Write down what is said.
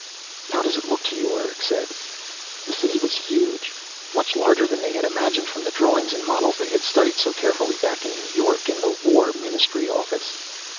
"How does it look to you?" Erick said. The City was huge, much larger than they had imagined from the drawings and models they had studied so carefully back in New York, in the War Ministry Office.